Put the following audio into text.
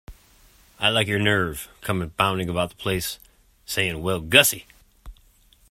I like your nerve, coming bounding about the place, saying 'Well, Gussie.'